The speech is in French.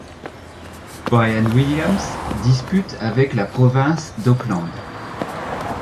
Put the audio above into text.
Bryan Williams dispute avec la province d'Auckland.